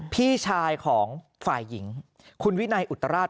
พี่ชายของฝ่ายหญิงคุณวินัยอุตราช